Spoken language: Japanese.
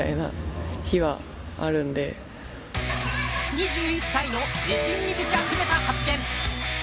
２１歳の自信に満ちあふれた発言。